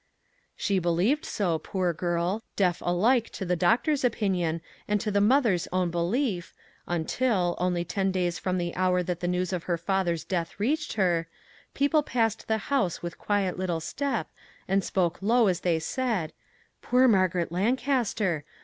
She be lieved so, poor girl, deaf alike to the doctor's opinion and to the mother's own belief, until, only ten days from the hour that the news of her father's death reached her, people passed the house with quiet step and spoke low as they said :" Poor Margaret Lancaster